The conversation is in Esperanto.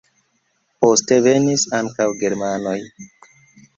Poste venis ankaŭ germanoj.